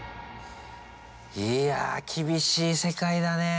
いや厳しい世界だねぇ。